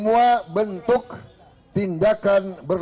untuk kontpon abang